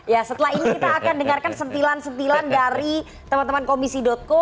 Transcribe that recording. ya setelah ini kita akan dengarkan sentilan sentilan dari teman teman komisi co